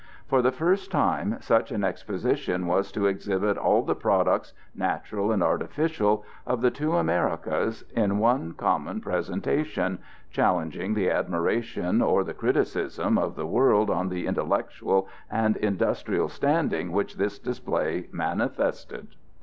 For the first time, such an exposition was to exhibit all the products, natural and artificial, of the two Americas in one common presentation, challenging the admiration or the criticism of the world on the intellectual and industrial standing which this display manifested.